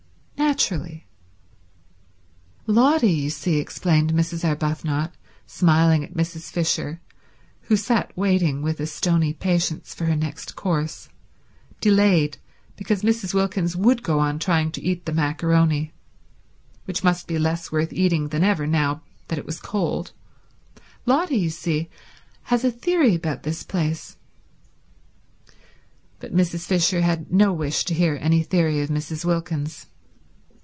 Naturally." "Lotty, you see," explained Mrs. Arbuthnot, smiling to Mrs. Fisher, who sat waiting with a stony patience for her next course, delayed because Mrs. Wilkins would go on trying to eat the maccaroni, which must be less worth eating than ever now that it was cold; "Lotty, you see, has a theory about this place—" But Mrs. Fisher had no wish to hear any theory of Mrs. Wilkins's.